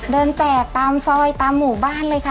เดินจากตามซอยหลังหมู่บ้านเลยค่ะ